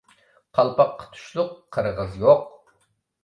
قالپاققا تۇشلۇق قىرغىز يوق.